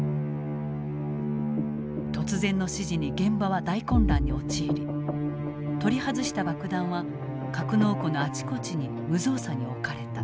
突然の指示に現場は大混乱に陥り取り外した爆弾は格納庫のあちこちに無造作に置かれた。